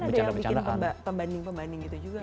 ada yang bikin pembanding pembanding gitu juga